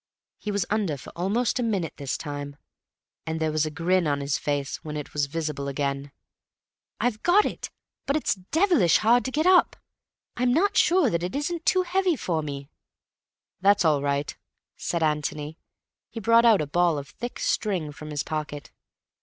He was under for almost a minute this time, and there was a grin on his face when it was visible again. "I've got it, but it's devilish hard to get up. I'm not sure that it isn't too heavy for me." "That's all right," said Antony. He brought out a ball of thick string from his pocket.